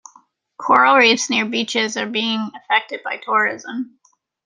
Coral reefs near beaches are being affected by tourism.